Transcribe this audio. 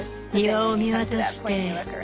庭を見渡して。